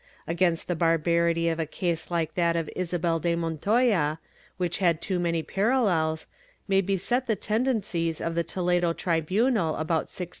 Against the barbarity of a case like that of Isabel de Montoya, which had too many parallels, may be set the tendencies of the Toledo tribimal about 1600.